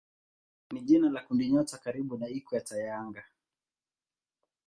ni jina la kundinyota karibu na ikweta ya anga.